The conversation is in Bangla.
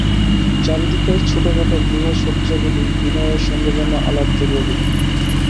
চারি দিকের ছোটোখাটো গৃহসজ্জাগুলি বিনয়ের সঙ্গে যেন আলাপ জুড়িয়া দিল।